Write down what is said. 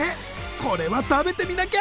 これは食べてみなきゃ！